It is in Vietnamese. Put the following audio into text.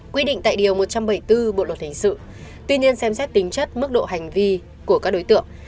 quy định tại điều một trăm bảy mươi bốn bộ luật hình sự tuy nhiên xem xét tính chất mức độ hành vi của các đối tượng